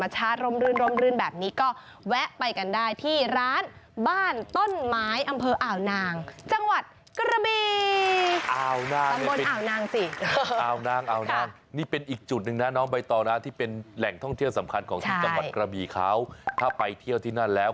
ใช่นับปับแล้วค่อยไปเที่ยวทะเลต่อ